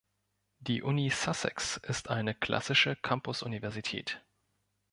Die Uni Sussex ist eine klassische Campus-Universität.